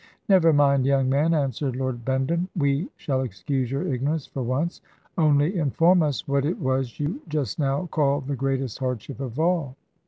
"Never mind, young man," answered Lord Bendham; "we shall excuse your ignorance for once. Only inform us what it was you just now called the greatest hardship of all."